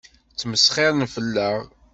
Ttmesxiṛen fell-aɣ.